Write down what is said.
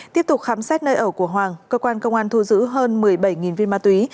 tiếp tục khám xét nơi ở của hoàng cơ quan công an thu giữ hơn một mươi bảy viên ma túy